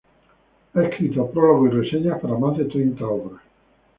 Ha escritos prólogos y reseñas para más de treinta obras.